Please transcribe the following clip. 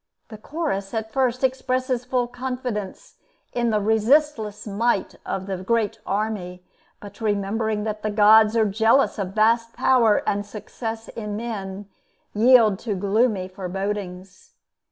The Chorus at first express full confidence in the resistless might of the great army; but remembering that the gods are jealous of vast power and success in men, yield to gloomy forebodings.